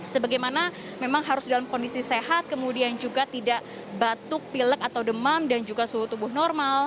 sebagaimana memang harus dalam kondisi sehat kemudian juga tidak batuk pilek atau demam dan juga suhu tubuh normal